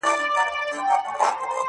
راته به وائي چې نران شئ خپل پټکي وساتئ